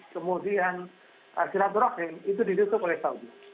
kemudian arsiratul rahim itu ditutup oleh saudi